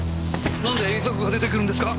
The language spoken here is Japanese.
なんで遺族が出てくるんですか？